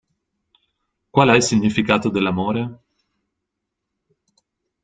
Qual è il significato dell'amore?